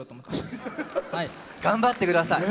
頑張ってください。